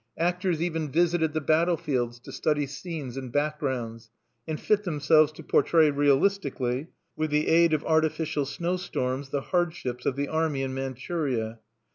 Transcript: Actors even visited the battlefields to study scenes and backgrounds, and fit themselves to portray realistically, with the aid of artificial snowstorms, the hardships of the army in Manchuria.